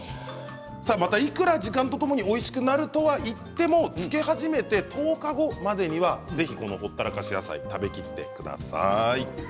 また、いくら時間とともにおいしくなるとはいっても漬け始めて１０日後までにはぜひほったらかし野菜食べきってください。